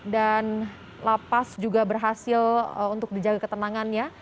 dan lapas juga berhasil untuk dijaga ketenangannya